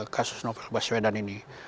kasus novel bersedan ini